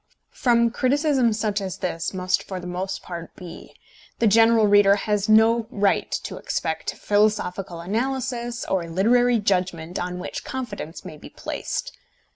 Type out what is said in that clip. From criticism such as this must for the most part be, the general reader has no right to expect philosophical analysis, or literary judgment on which confidence may be placed.